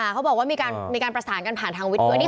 เขาบอกว่ามีการประสานกันผ่านทางวิทย์ด้วย